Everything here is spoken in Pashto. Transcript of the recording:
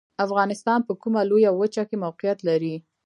افغانستان په کومه لویه وچې کې موقعیت لري؟